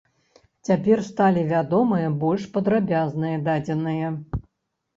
Цяпер сталі вядомыя больш падрабязныя дадзеныя.